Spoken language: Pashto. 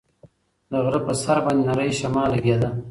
د غره په سر باندې نری شمال لګېده.